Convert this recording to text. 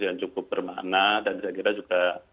yang cukup bermakna dan saya kira juga